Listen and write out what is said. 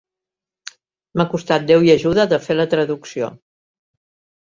M'ha costat Déu i ajuda, de fer la traducció!